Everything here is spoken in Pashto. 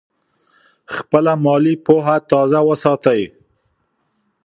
خپله مالي پوهه تازه وساتئ.